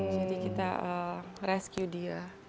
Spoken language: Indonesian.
jadi kita rescue dia